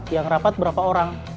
yang rapat berapa orang